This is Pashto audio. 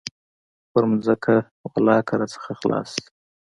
پر ځمكه ولله كه رانه خلاص سي.